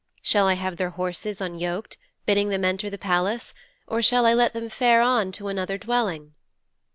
Shall I have their horses unyoked, bidding them enter the Palace, or shall I let them fare on to another dwelling?'